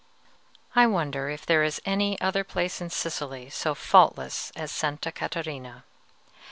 I wonder if there is any other place in Sicily so faultless as Sta. Catarina?